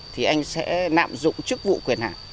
thì anh sẽ nạm dụng chức vụ quyền hạng